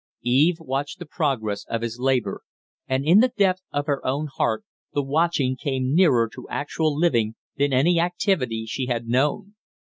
Eve watched the progress of his labor, and in the depth of her own heart the watching came nearer to actual living than any activity she had known.